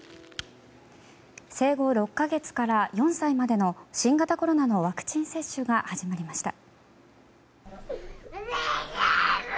生後６か月から４歳までの新型コロナのワクチン接種が始まりました。